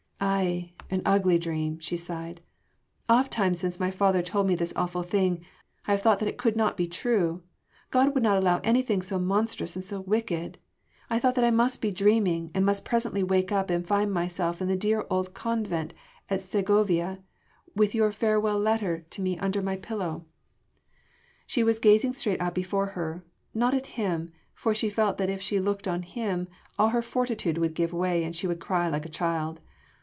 "Aye! an ugly dream," she sighed. "Ofttimes, since my father told me this awful thing, I have thought that it could not be true. God could not allow anything so monstrous and so wicked. I thought that I must be dreaming and must presently wake up and find myself in the dear old convent at Segovia with your farewell letter to me under my pillow." She was gazing straight out before her not at him, for she felt that if she looked on him, all her fortitude would give way and she would cry like a child.